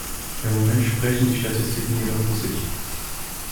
Im Moment sprechen die Statistiken jedoch für sich.